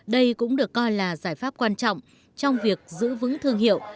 đây cũng được coi là giải pháp quan trọng trong việc giữ vững thương hiệu